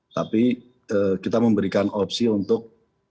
tapi kita memberikan opsi untuk